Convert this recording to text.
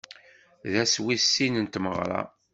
D ass wis sin n tmeɣra.